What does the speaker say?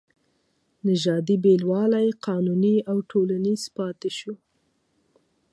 نژادي بېلوالی قانوني او ټولنیز پاتې شو.